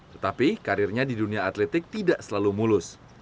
tetapi karirnya di dunia atletik tidak selalu mulus